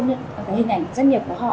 những cái hình ảnh doanh nghiệp của họ